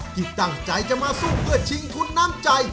ที่ตั้งใจจะมาสู้เพื่อชิงทุนน้ำใจ